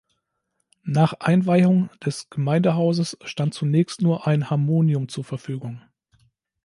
Nach Einweihung des Gemeindehauses stand zunächst nur ein Harmonium zur Verfügung.